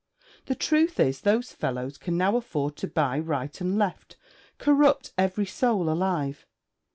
'The truth is, those fellows can now afford to buy right and left, corrupt every soul alive!